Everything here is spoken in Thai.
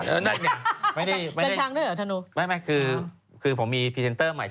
อาจารย์ช้างด้วยเหรอธนูไม่คือผมมีพรีเซนเตอร์ใหม่